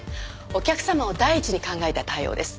お客様を第一に考えた対応です。